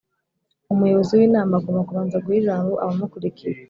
Umuyobozi w inama agomba kubanza guha ijambo abamukurikiye.